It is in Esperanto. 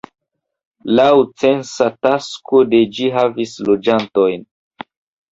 Laŭ censa takso de ĝi havis loĝantojn.